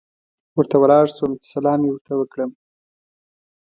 ورته ولاړ شوم چې سلام یې ورته وکړم.